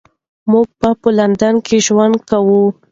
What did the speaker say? موږ به په لندن کې ژوند کوو.